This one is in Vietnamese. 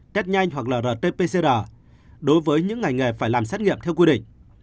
test nhanh hoặc là rt pcr đối với những ngành nghề phải làm xét nghiệm theo quy định